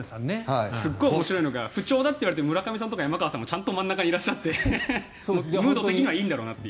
面白いのが不調だといわれている村上さんとか山川さんがちゃんと真ん中にいらっしゃってムード的にはいいんだろうなと。